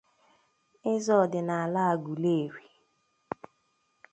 eze ọdịnala Aguleri